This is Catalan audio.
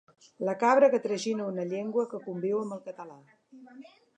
La cabra que tragina una llengua que conviu amb el català.